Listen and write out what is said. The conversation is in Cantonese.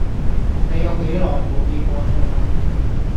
你有幾耐無寄過信啊